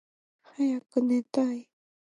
はやくねたい。